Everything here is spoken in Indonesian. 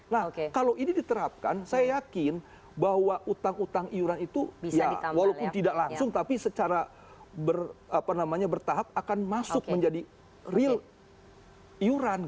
nah kalau ini diterapkan saya yakin bahwa utang utang iuran itu ya walaupun tidak langsung tapi secara bertahap akan masuk menjadi real iuran